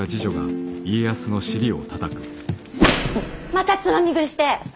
またつまみ食いして！